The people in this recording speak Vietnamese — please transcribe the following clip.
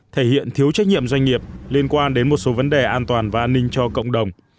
thể hiện thiếu trách nhiệm doanh nghiệp liên quan đến một số vấn đề an toàn và an ninh cho cộng đồng